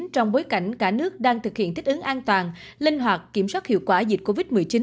trong bối cảnh cả nước đang thực hiện thích ứng an toàn linh hoạt kiểm soát hiệu quả dịch covid một mươi chín